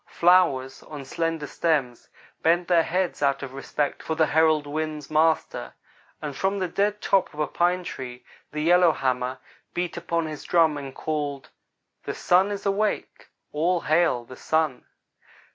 Flowers, on slender stems, bent their heads out of respect for the herald wind's Master, and from the dead top of a pine tree the Yellowhammer beat upon his drum and called 'the Sun is awake all hail the Sun!'